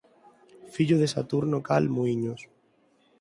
Fillo de Saturno Cal Muíños.